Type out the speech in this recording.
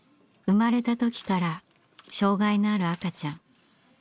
生まれた時から障害のある赤ちゃん。